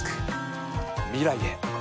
未来へ。